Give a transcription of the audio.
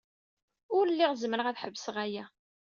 Ur lliɣ zemreɣ ad ḥebseɣ aya.